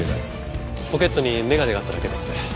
ポケットに眼鏡があっただけです。